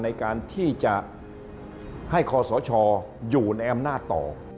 ในการที่จะให้คอสชอยู่ในอำนาจต่อ